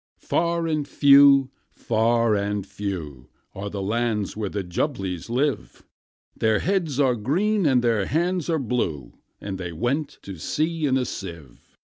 Far and few, far and few, Are the lands where the Jumblies live: Their heads are green, and their hands are blue And they went to sea in a sieve.